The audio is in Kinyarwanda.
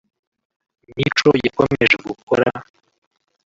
Mico yakomeje gukora